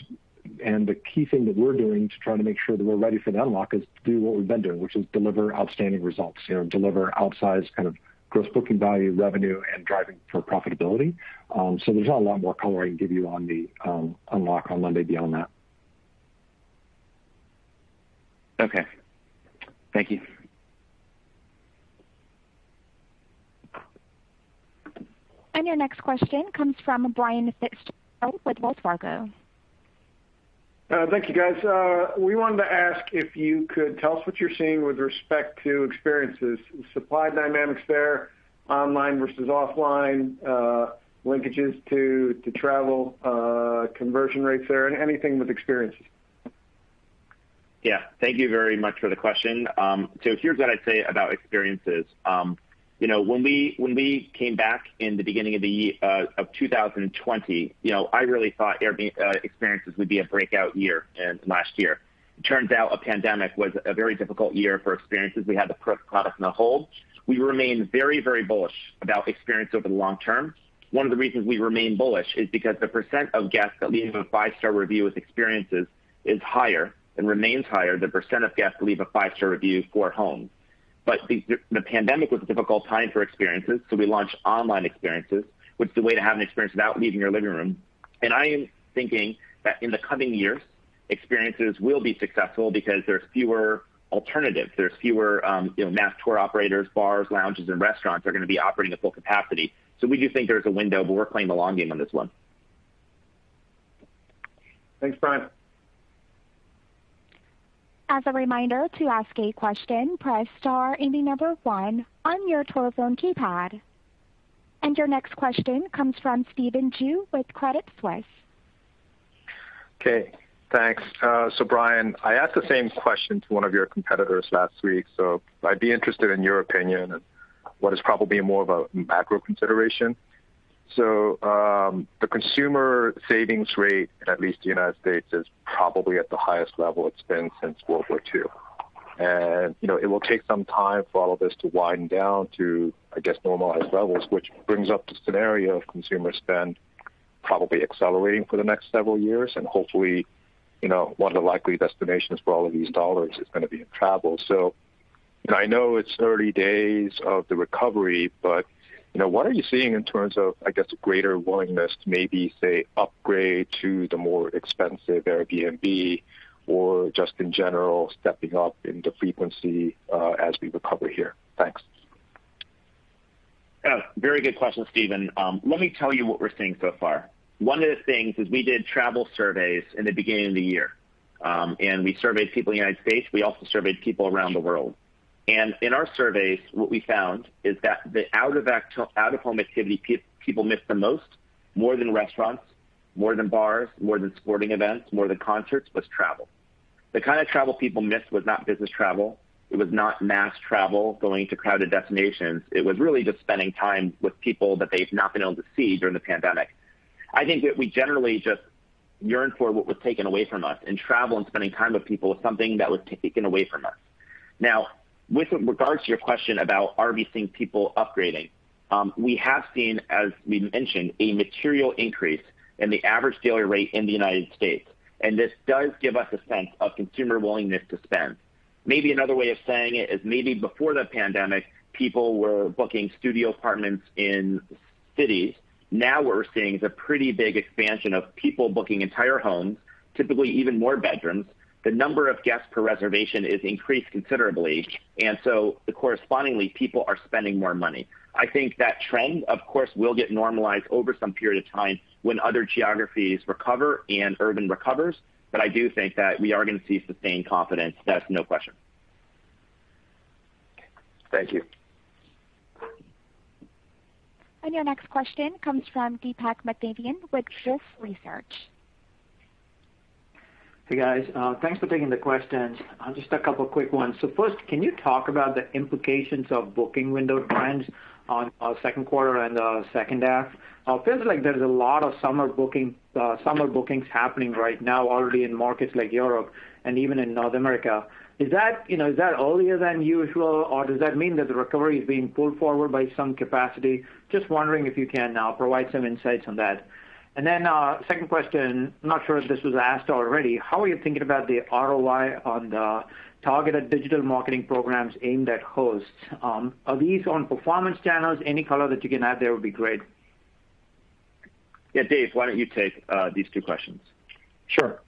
key thing that we're doing to try to make sure that we're ready for the unlock is do what we've been doing, which is deliver outstanding results. Deliver outsized kind of gross booking value, revenue, and driving for profitability. There's not a lot more color I can give you on the unlock on Monday beyond that. Okay. Thank you. Your next question comes from Brian Fitzgerald with Wells Fargo. Thank you, guys. We wanted to ask if you could tell us what you're seeing with respect to experiences, supply dynamics there, online versus offline, linkages to travel, conversion rates there, and anything with experiences. Yeah. Thank you very much for the question. Here's what I'd say about experiences. When we came back in the beginning of 2020, I really thought experiences would be a breakout year in last year. It turns out a pandemic was a very difficult year for experiences. We had the product on a hold. We remain very bullish about experience over the long term. One of the reasons we remain bullish is because the percent of guests that leave a five-star review with experiences is higher, and remains higher, the percent of guests leave a five-star review for home. The pandemic was a difficult time for experiences, so we launched Online Experiences, which is a way to have an experience without leaving your living room. I am thinking that in the coming years, experiences will be successful because there's fewer alternatives. There's fewer mass tour operators. Bars, lounges, and restaurants are going to be operating at full capacity. We do think there's a window, but we're playing the long game on this one. Thanks, Brian. As a reminder, to ask a question, press star and the number one on your telephone keypad. Your next question comes from Stephen Ju with Credit Suisse. Okay. Thanks. Brian, I asked the same question to one of your competitors last week, so I'd be interested in your opinion, and what is probably more of a macro consideration. The consumer savings rate, in at least the U.S., is probably at the highest level it's been since World War II. It will take some time for all of this to wind down to, I guess, normalized levels, which brings up the scenario of consumer spend probably accelerating for the next several years. Hopefully, one of the likely destinations for all of these dollars is going to be in travel. I know it's early days of the recovery, but what are you seeing in terms of, I guess, greater willingness to maybe, say, upgrade to the more expensive Airbnb or just in general stepping up in the frequency, as we recover here? Thanks. Yeah. Very good question, Stephen. Let me tell you what we're seeing so far. One of the things is we did travel surveys in the beginning of the year. We surveyed people in the U.S. We also surveyed people around the world. In our surveys, what we found is that the out-of-home activity people missed the most, more than restaurants, more than bars, more than sporting events, more than concerts, was travel. The kind of travel people missed was not business travel. It was not mass travel, going to crowded destinations. It was really just spending time with people that they've not been able to see during the pandemic. I think that we generally just yearn for what was taken away from us, and travel and spending time with people was something that was taken away from us. Now, with regards to your question about, are we seeing people upgrading? We have seen, as we mentioned, a material increase in the average daily rate in the United States, and this does give us a sense of consumer willingness to spend. Maybe another way of saying it is maybe before the pandemic, people were booking studio apartments in cities. Now what we're seeing is a pretty big expansion of people booking entire homes, typically even more bedrooms. The number of guests per reservation is increased considerably. Correspondingly, people are spending more money. I think that trend, of course, will get normalized over some period of time when other geographies recover and urban recovers. I do think that we are going to see sustained confidence. That's no question. Thank you. Your next question comes from Deepak Mathivanan with Wolfe Research. Hey, guys. Thanks for taking the questions. Just a couple of quick ones. First, can you talk about the implications of booking window trends on second quarter and the second half? Feels like there's a lot of summer bookings happening right now already in markets like Europe and even in North America. Is that earlier than usual, or does that mean that the recovery is being pulled forward by some capacity? Just wondering if you can provide some insights on that. Second question, not sure if this was asked already, how are you thinking about the ROI on the targeted digital marketing programs aimed at hosts? Are these on performance channels? Any color that you can add there would be great. Yeah, Dave, why don't you take these two questions? Sure.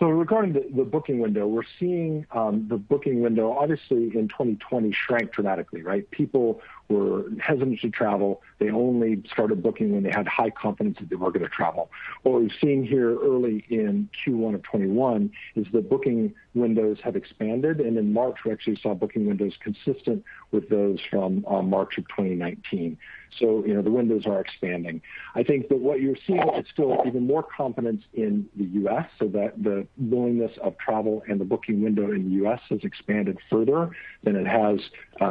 Regarding the booking window, we're seeing the booking window, obviously in 2020, shrank dramatically, right? People were hesitant to travel. They only started booking when they had high confidence that they were going to travel. What we've seen here early in Q1 of 2021 is the booking windows have expanded, and in March, we actually saw booking windows consistent with those from March of 2019. The windows are expanding. I think that what you're seeing is still even more confidence in the U.S., so that the willingness of travel and the booking window in the U.S. has expanded further than it has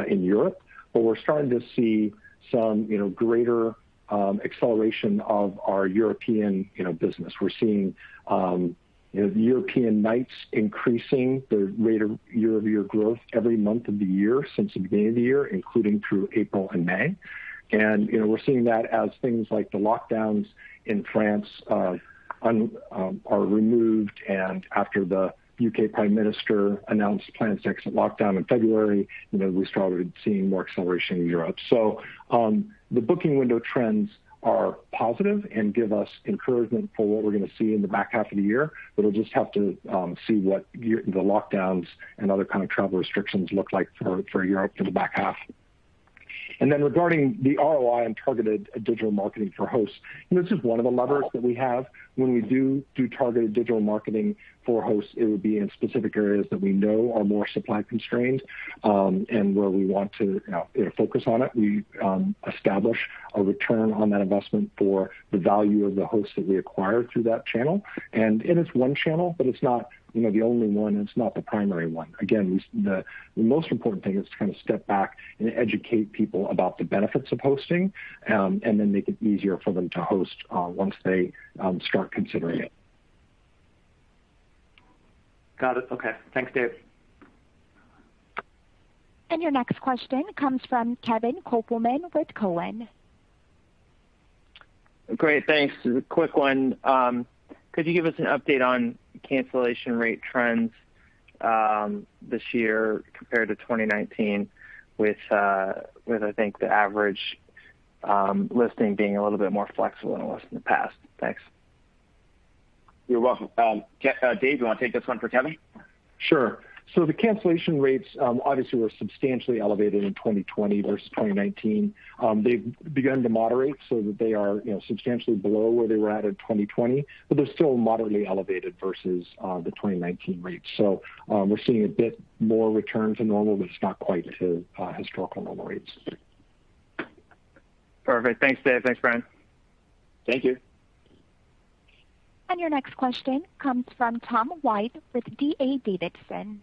in Europe. We're starting to see some greater acceleration of our European business. We're seeing European nights increasing the rate of year-over-year growth every month of the year since the beginning of the year, including through April and May. We're seeing that as things like the lockdowns in France are removed, and after the U.K. Prime Minister announced plans to exit lockdown in February, we started seeing more acceleration in Europe. The booking window trends are positive and give us encouragement for what we're going to see in the back half of the year. We'll just have to see what the lockdowns and other kind of travel restrictions look like for Europe for the back half. Regarding the ROI and targeted digital marketing for hosts, this is one of the levers that we have when we do targeted digital marketing for hosts, it would be in specific areas that we know are more supply constrained, and where we want to focus on it. We establish a return on that investment for the value of the hosts that we acquire through that channel. It's one channel, but it's not the only one, and it's not the primary one. Again, the most important thing is to step back and educate people about the benefits of hosting, and then make it easier for them to host once they start considering it. Got it. Okay. Thanks, Dave. Your next question comes from Kevin Kopelman with Cowen. Great. Thanks. A quick one. Could you give us an update on cancellation rate trends this year compared to 2019 with, I think, the average listing being a little bit more flexible than it was in the past? Thanks. You're welcome. Dave, you want to take this one for Kevin? Sure. The cancellation rates, obviously, were substantially elevated in 2020 versus 2019. They've begun to moderate so that they are substantially below where they were at in 2020, but they're still moderately elevated versus the 2019 rates. We're seeing a bit more return to normal, but it's not quite historical normal rates. Perfect. Thanks, Dave. Thanks, Brian. Thank you. Your next question comes from Tom White with D.A. Davidson.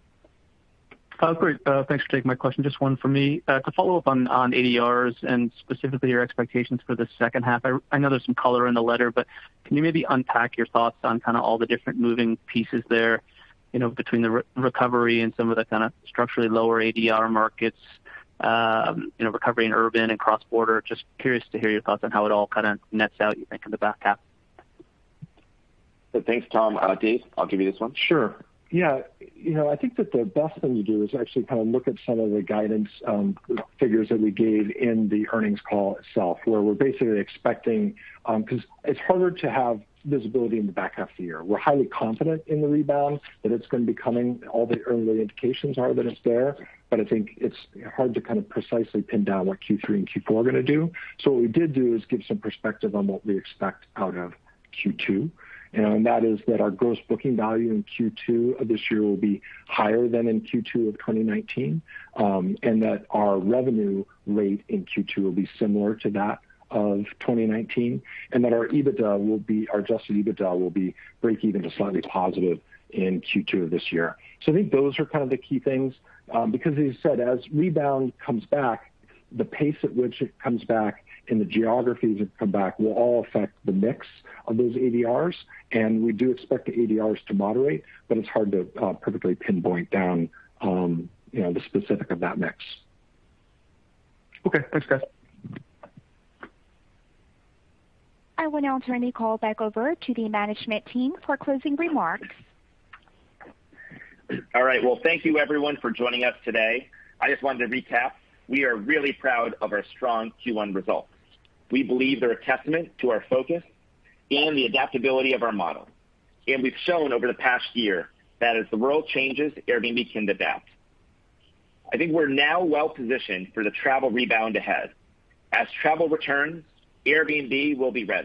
Great. Thanks for taking my question. Just one for me. To follow up on ADRs and specifically your expectations for the second half, I know there's some color in the letter, but can you maybe unpack your thoughts on all the different moving pieces there, between the recovery and some of the structurally lower ADR markets, recovery in urban and cross-border? Just curious to hear your thoughts on how it all nets out, you think, in the back half. Thanks, Tom. Dave, I'll give you this one. Sure. I think that the best thing to do is actually look at some of the guidance figures that we gave in the earnings call itself, where we're basically expecting. Because it's harder to have visibility in the back half of the year. We're highly confident in the rebound, that it's going to be coming. All the early indications are that it's there. I think it's hard to precisely pin down what Q3 and Q4 are going to do. What we did do is give some perspective on what we expect out of Q2, and that is that our gross booking value in Q2 of this year will be higher than in Q2 of 2019, and that our revenue rate in Q2 will be similar to that of 2019, and that our Adjusted EBITDA will be breakeven to slightly positive in Q2 of this year. I think those are the key things. As you said, as rebound comes back, the pace at which it comes back and the geographies that come back will all affect the mix of those ADRs, and we do expect the ADRs to moderate, but it's hard to perfectly pinpoint down the specific of that mix. Okay. Thanks, guys. I will now turn the call back over to the management team for closing remarks. All right. Well, thank you everyone for joining us today. I just wanted to recap, we are really proud of our strong Q1 results. We believe they're a testament to our focus and the adaptability of our model. We've shown over the past year that as the world changes, Airbnb can adapt. I think we're now well-positioned for the travel rebound ahead. As travel returns, Airbnb will be ready.